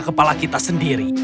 kepala kita sendiri